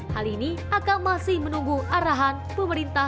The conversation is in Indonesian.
hal ini akan masih menunggu arahan pemerintah